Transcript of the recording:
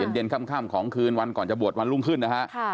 เย็นค่ำของคืนวันก่อนจะบวชวันรุ่งขึ้นนะฮะ